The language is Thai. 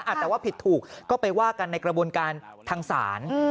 อาจจะว่าผิดถูกก็ไปว่ากันในกระบวนการทางศาล